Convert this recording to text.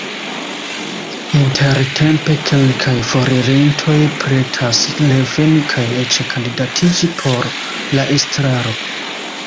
Intertempe kelkaj foririntoj pretas reveni kaj eĉ kandidatiĝi por la estraro.